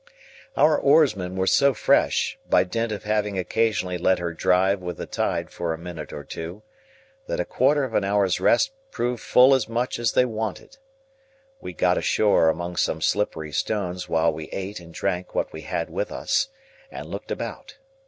Our oarsmen were so fresh, by dint of having occasionally let her drive with the tide for a minute or two, that a quarter of an hour's rest proved full as much as they wanted. We got ashore among some slippery stones while we ate and drank what we had with us, and looked about.